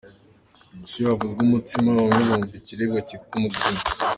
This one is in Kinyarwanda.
Gusa iyo havuzwe umutsima, bamwe bumva ikiribwa cyitwa umutsima.